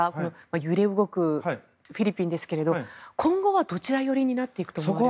揺れ動くフィリピンですけど今後はどちら寄りになっていくと思いますか。